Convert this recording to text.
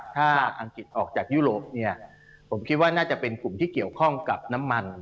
ถ้าอังกฤษออกจากยุโรปเนี่ยผมคิดว่าน่าจะเป็นกลุ่มที่เกี่ยวข้องกับน้ำมัน